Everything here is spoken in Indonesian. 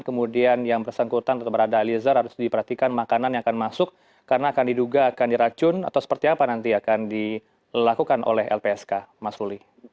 kemudian yang bersangkutan atau barada eliezer harus diperhatikan makanan yang akan masuk karena akan diduga akan diracun atau seperti apa nanti akan dilakukan oleh lpsk mas ruli